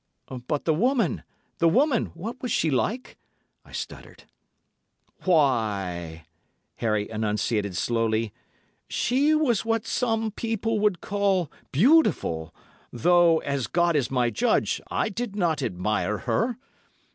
"'But the woman—the woman? What was she like?' I stuttered. "'Why,' Harry enunciated slowly, 'she was what some people would call beautiful, though, as God is my judge, I did not admire her.